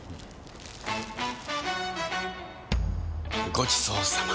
ごちそうさま！